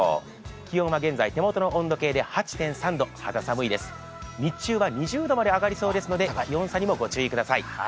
気温は現在手元の温度計で８．３度肌寒いです、日中は２０度まで上がりそうですので気温差にも御注意ください。